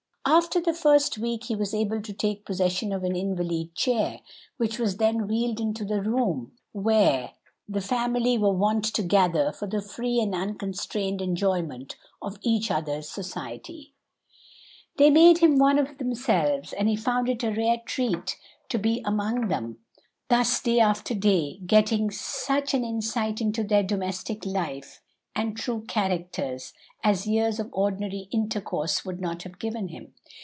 After the first week he was able to take possession of an invalid chair, which was then wheeled into the room where the family were wont to gather for the free and unconstrained enjoyment of each other's society. They made him one of themselves, and he found it a rare treat to be among them thus day after day, getting such an insight into their domestic life and true characters as years of ordinary intercourse would not have given him.